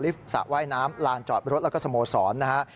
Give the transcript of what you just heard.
สระว่ายน้ำลานจอดรถแล้วก็สโมสรนะฮะ